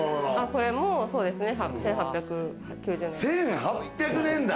これもそうですね、１８００年代。